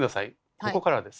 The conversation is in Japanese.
ここからです。